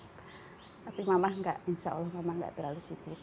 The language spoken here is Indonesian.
tapi mama tidak insya allah mama tidak terlalu sibuk